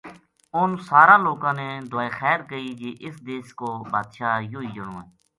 انھ ساراں لوکاں نے دعائے خیر کئی جی اس دیس کو بادشاہ یوہی جنو ہے